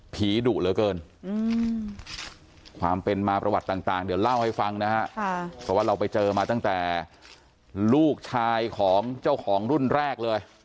ดุเหลือเกินความเป็นมาประวัติต่างเดี๋ยวเล่าให้ฟังนะฮะเพราะว่าเราไปเจอมาตั้งแต่ลูกชายของเจ้าของรุ่นแรกเลย